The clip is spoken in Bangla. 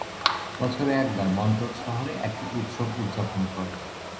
বছরে একবার, মনট্রোস শহরে একটি উৎসব উদযাপন করে।